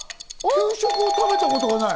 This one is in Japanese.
給食を食べたことはない。